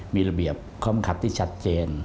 มีระเบียบข้อมขัดที่ชัดเจน